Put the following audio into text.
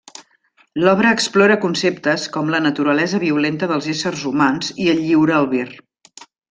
L'obra explora conceptes com la naturalesa violenta dels éssers humans i el lliure albir.